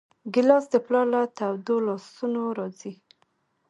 ګیلاس د پلار له تودو لاسونو راځي.